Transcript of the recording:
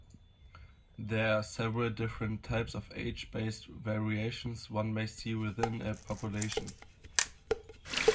There are several different types of age-based variation one may see within a population.